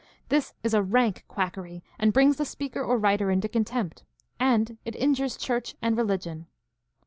This is rank quackery and brings the speaker or writer into contempt, and it injures church and religion.